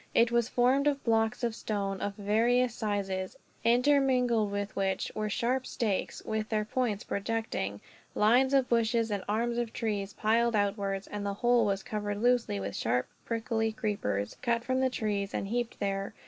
It was formed of blocks of stone, of various sizes; intermingled with which were sharp stakes, with their points projecting; lines of bushes and arms of trees, piled outwards; and the whole was covered loosely with sharp prickly creepers, cut from the trees and heaped there.